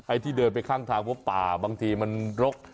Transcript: ไอ้ที่เดินไปข้างทางพบตาบางทีมันหรอก